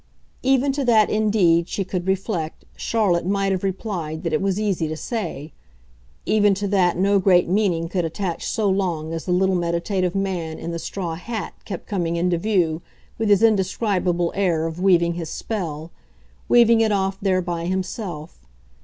Even to that indeed, she could reflect, Charlotte might have replied that it was easy to say; even to that no great meaning could attach so long as the little meditative man in the straw hat kept coming into view with his indescribable air of weaving his spell, weaving it off there by himself.